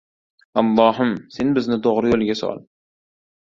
Allohim, sen bizni to‘g‘ri yo‘lga sol!